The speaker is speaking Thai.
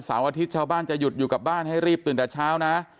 อาทิตย์ชาวบ้านจะหยุดอยู่กับบ้านให้รีบตื่นแต่เช้านะ